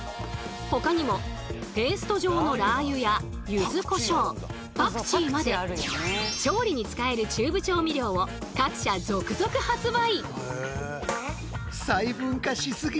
ほかにもペースト状のラー油や柚子こしょうパクチーまで調理に使えるチューブ調味料を各社続々発売！